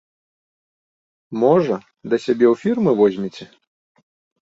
Можа, да сябе ў фірмы возьмеце?